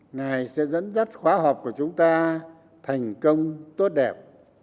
ngài sẽ dẫn dắt khóa học của chúng ta thành công tốt đẹp